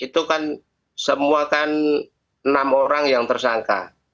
itu kan semua kan enam orang yang tersangka